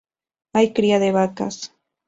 Hay cría de vacas.